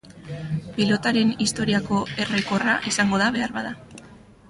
Pilotaren historiako errekorra izango da, beharbada.